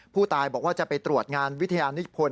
ผู้ตายบอกว่าจะไปตรวจงานวิทยานิพล